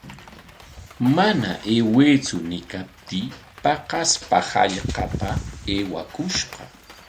Mana aywaytsu ñiykaptii paqaspa hallqapa aywakushqa.